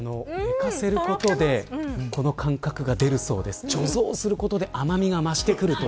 寝かせることでこの感覚が出るそうです。